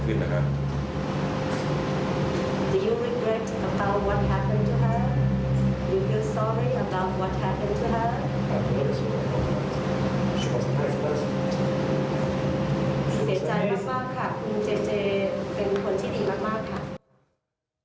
เป็นคนที่ดีมากค่ะ